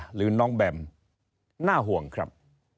หรือน้องแบมน่าห่วงครับ